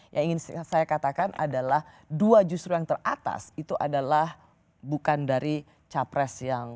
yang ingin saya katakan adalah dua justru yang teratas itu adalah bukan dari capres yang